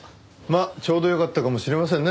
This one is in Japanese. まあちょうどよかったかもしれませんね。